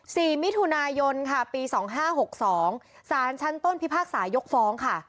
สี่มิถุนายนค่ะปีสองห้าหกสองสารชั้นต้นพิพากษายกฟ้องค่ะ